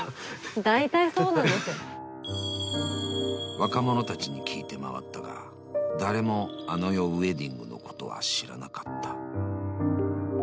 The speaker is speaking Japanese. ［若者たちに聞いて回ったが誰もあの世ウエディングのことは知らなかった］